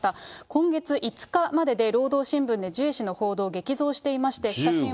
今月５日までで労働新聞でジュエ氏の報道、激増していまして、写真は。